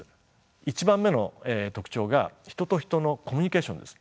１番目の特徴が人と人のコミュニケーションです。